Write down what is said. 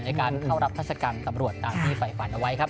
ในการเข้ารับราชการตำรวจตามที่ฝ่ายฝันเอาไว้ครับ